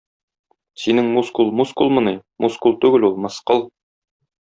Синең мускул мускулмыни, мускул түгел ул - мыскыл.